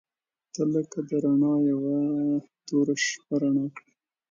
• ته لکه د رڼا یوه توره شپه رڼا کړې.